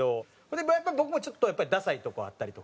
でもやっぱり僕もちょっとダサいとこあったりとか。